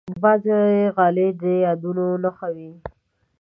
بعضې غالۍ د یادونو نښه وي.